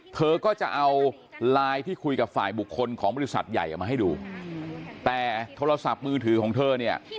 เธอก็จะเอาไลน์ที่คุยกับฝ่ายบุคคลของบริษัทใหญ่เอามาให้ดูแต่โทรศัพท์มือถือของเธอเนี่ย